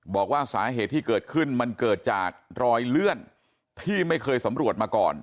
บอกว่าสาเหตุที่เกิดขึ้นมันเกิดจากรอยเลื่อนที่ไม่เคยสำรวจมาก่อน